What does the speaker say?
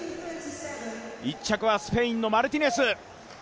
１着はスペインのマルティネス。